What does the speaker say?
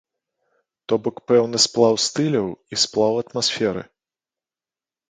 То бок пэўны сплаў стыляў і сплаў атмасферы.